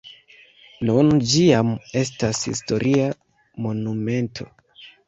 Nun ĝi jam estas historia monumento.